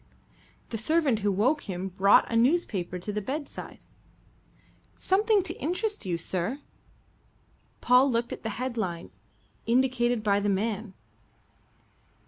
The servant who woke him brought a newspaper to the bedside. "Something to interest you, sir." Paul looked at the headline indicated by the man.